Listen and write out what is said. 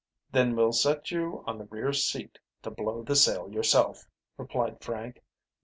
"Then we'll set you on the rear seat to blow the sail yourself," replied Frank.